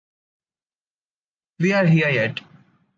We are here yet.